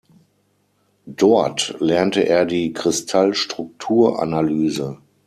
Dort lernte er die Kristallstrukturanalyse.